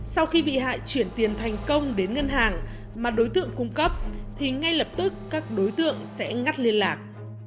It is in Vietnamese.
sau khi bị hại chuyển tiền thành công đến ngân hàng mà đối tượng cung cấp thì ngay lập tức các đối tượng sẽ ngắt liên lạc